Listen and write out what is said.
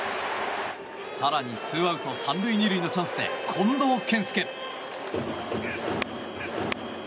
更に２アウト３塁２塁のチャンスで近藤健介。